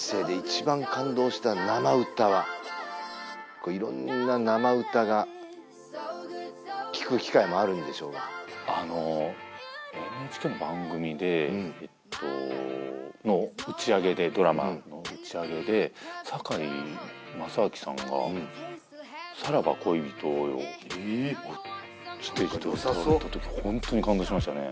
これ色んな生歌が聴く機会もあるんでしょうがあのＮＨＫの番組でえっと打ち上げでドラマの打ち上げで堺正章さんが「さらば恋人」をえステージで歌った時ホントに感動しましたね